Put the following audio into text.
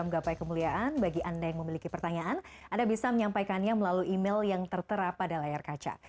mungkin nanti episode berikutnya kita akan bisa lanjutkan ya